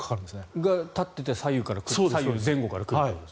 それが立っていて左右前後から来ると。